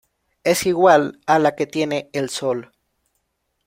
Es igual a la que tiene el Sol.